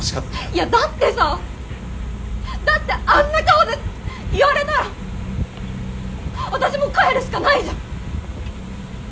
いやだってさだってあんな顔で言われたら私もう帰るしかないじゃん。